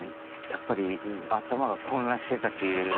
やっぱり頭が混乱してたというか。